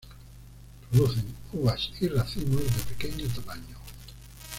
Producen uvas y racimos de pequeño tamaño.